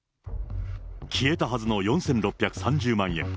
消えたはずの４６３０万円。